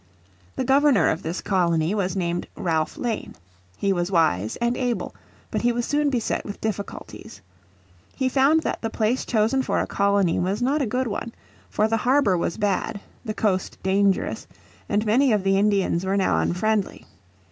The Governor of this colony was named Ralph Lane. He was wise and able, but he was soon beset with difficulties. He found that the place chosen for a colony was not a good one, For the harbour was bad, the coast dangerous, and many of the Indians were now unfriendly.